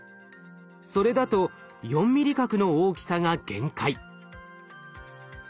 それだと４ミリ角の大きさが限界。